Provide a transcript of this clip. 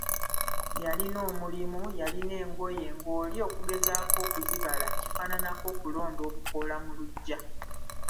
Yalina omulimu, yalina engoye ng'oli okugezaako okuzibala kifaananako okulonda obukoola mu luggya.